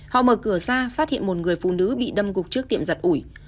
họ mở cửa ra phát hiện một người phụ nữ bị đâm gục trước tiệm giật ủi